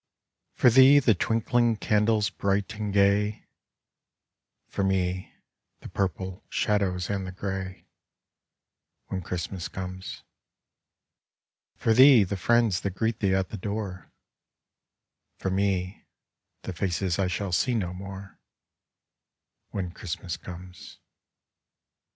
For thee, the twinkling candles bright and gay, For me, the purple shadows and the grey, When Christmas comes. For thee, the friends that greet thee at the door, For me, the faces I shall see no more, When Christmas comes.